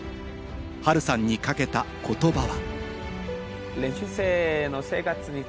ハルさんにかけた言葉は。